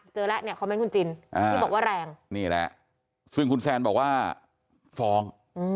เจอแล้วเนี่ยคอมเมนต์คุณจินที่บอกว่าแรงนี่แหละซึ่งคุณแซนบอกว่าฟ้อง